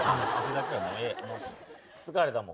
疲れた、もう。